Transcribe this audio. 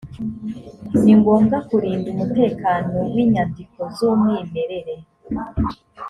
ni ngombwa kurinda umutekano w’inyandiko z’umwimerere